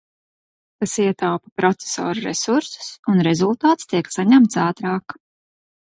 Tas ietaupa procesora resursus un rezultāts tiek saņemts ātrāk.